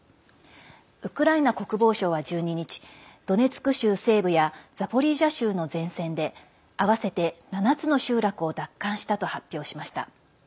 ウクライナ国防省は１２日、ドネツク州西部やザポリージャ州の前線で合わせて７つの集落を奪還したと発表しました。